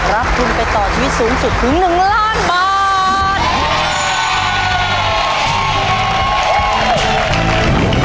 รับทุนไปต่อชีวิตสูงสุดถึง๑ล้านบาท